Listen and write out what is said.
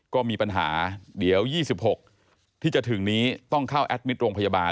ก็มีปัญหาเดี๋ยว๒๖ที่จะถึงนี้ต้องเข้าแอดมิตรโรงพยาบาล